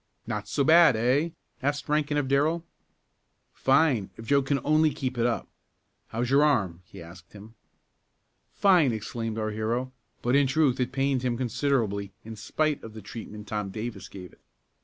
"Not so bad; eh?" asked Rankin of Darrell. "Fine, if Joe can only keep it up. How's your arm?" he asked him. "Fine!" exclaimed our hero, but in truth it pained him considerably in spite of the treatment Tom Davis gave it.